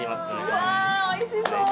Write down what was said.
うわおいしそう！